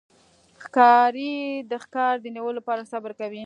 ښکاري د ښکار د نیولو لپاره صبر کوي.